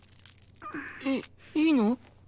いいいの？